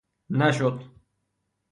نشد!